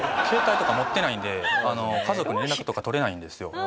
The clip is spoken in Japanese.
携帯とか持ってないんで家族に連絡とか取れないんですよ。